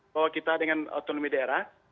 bahwa kita dengan otonomi daerah